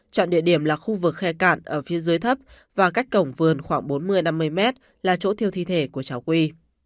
chọn địa điểm là khu vực khe cạn ở phía dưới thấp và cách cổng vườn khoảng bốn mươi năm mươi mét là chỗ thiêu thi thể của cháu quy